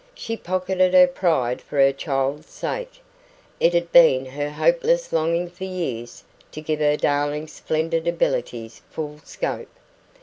She pocketed her pride for her child's sake. It had been her hopeless longing for years to give her darling's splendid abilities full scope.